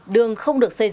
đường không được xây dựng